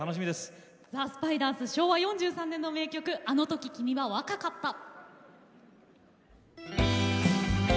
ザ・スパイダース昭和４３年の名曲「あの時君は若かった」。